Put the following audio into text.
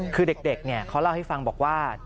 คือเด็กเขาเล่าให้ฟังบอกว่า